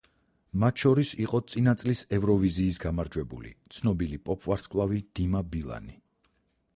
მათ შორის იყო, წინა წლის ევროვიზიის გამარჯვებული, ცნობილი პოპ ვარსკვლავი – დიმა ბილანი.